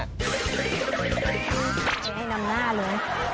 ให้นำหน้าเลย